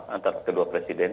antara kedua presiden